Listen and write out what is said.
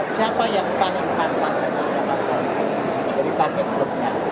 siapa yang paling keras saja dapat membuatnya jadi pakai klubnya